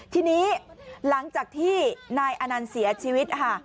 ทีนี้หลังจากที่นายอนันต์เสียชีวิตนะคะ